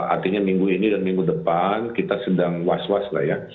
artinya minggu ini dan minggu depan kita sedang was was lah ya